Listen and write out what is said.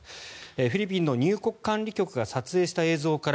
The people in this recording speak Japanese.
フィリピンの入国管理局が撮影した映像から